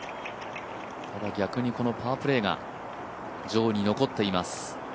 ただ、逆にこのパープレーが上位に残っています。